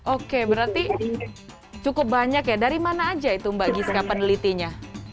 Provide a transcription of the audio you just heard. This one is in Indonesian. oke berarti cukup banyak ya dari mana aja itu mbak giska penelitinya